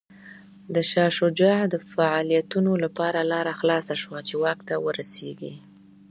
د شاه شجاع د فعالیتونو لپاره لاره خلاصه شوه چې واک ته ورسېږي.